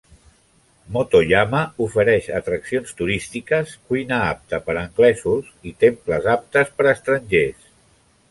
Motoyama ofereix atraccions turístiques, cuina apta per a anglesos i temples aptes per a estrangers.